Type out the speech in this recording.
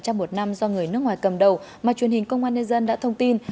trong một năm do người nước ngoài cầm đầu mà truyền hình công an nhân dân đã thông tin